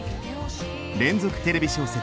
連続テレビ小説